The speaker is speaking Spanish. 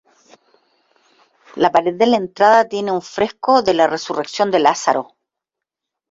La pared de la entrada tiene un fresco de la "Resurrección de Lázaro".